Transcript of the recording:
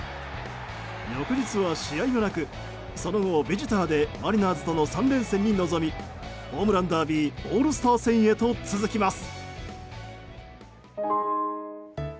翌日は試合がなくその後、ビジターでマリナーズとの３連戦に臨みホームランダービーオールスター戦へと続きます。